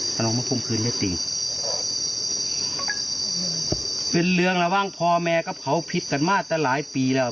เอานองมาคมขืนย่าติงเป็นเรืองระวังพ่อแม่กับเขาผิดกันมากจะหลายปีแล้ว